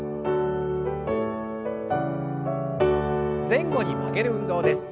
前後に曲げる運動です。